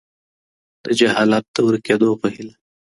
د جهالت د ورکیدو په هیله